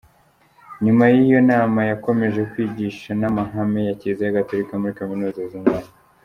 Nyuma y’iyo nama yakomeje kwigisha n’amahame ya Kiliziya Gatolika muri kaminuza zinyuranye.